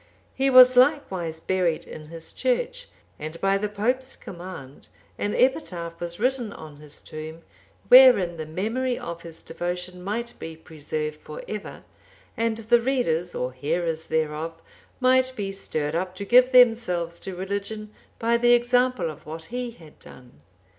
He was likewise buried in his church, and by the pope's command an epitaph(798) was written on his tomb, wherein the memory of his devotion might be preserved for ever, and the readers or hearers thereof might be stirred up to give themselves to religion by the example of what he had done.